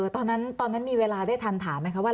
ตอนนั้นมีเวลาได้ทันถามไหมคะว่า